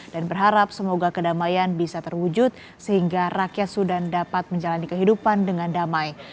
dan berharap semoga kedamaian bisa terwujud sehingga rakyat sudan dapat menjalani kehidupan dengan damai